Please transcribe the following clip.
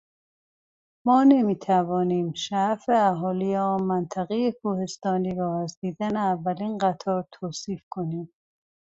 ما نمیتوانیم شعف اهالی آن منطقهٔ کوهستانی را از دیدن اولین قطار توصیف کنیم.